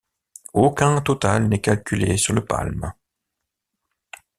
Aucun total n'est calculé sur le Palm.